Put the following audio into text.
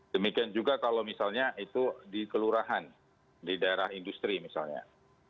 demikian juga kalau misalnya itu di kelurahan di daerah industri misalnya